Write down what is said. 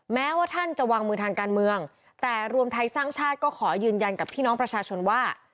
แม้ว่าท่านจะวางมือทางการเมืองแต่รวมไทยสร้างชาติก็ขอยืนยันกับพี่น้องประชาชนว่า